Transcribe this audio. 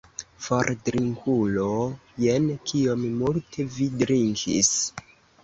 For, drinkulo, jen kiom multe vi drinkis!